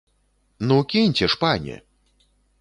Ну, кіньце ж, пане!